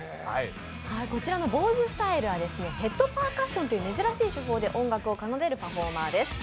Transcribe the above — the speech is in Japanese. こちらのＢＯＺＥＳＴＹＬＥはヘッドパーカッションという珍しい手法で音楽を奏でるパフォーマーです。